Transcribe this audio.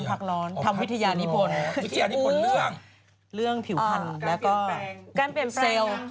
อ๋อพักร้อนทำวิทยานญี่ปุ่นวิทยานญี่ปุ่นเรื่องเรื่องผิวพันธุ์แล้วก็การเปลี่ยนแปลง